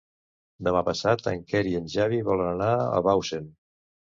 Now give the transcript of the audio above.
Demà passat en Quer i en Xavi volen anar a Bausen.